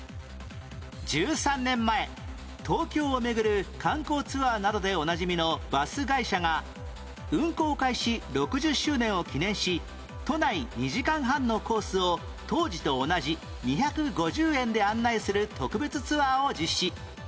１３年前東京を巡る観光ツアーなどでおなじみのバス会社が運行開始６０周年を記念し都内２時間半のコースを当時と同じ２５０円で案内する特別ツアーを実施